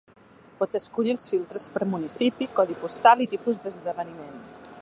Pot escollir els filtres per municipi, codi postal i tipus d'esdeveniment.